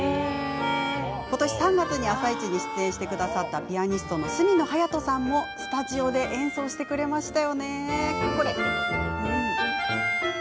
今年３月に「あさイチ」に出演したピアニストの角野隼斗さんもスタジオで演奏してくれました。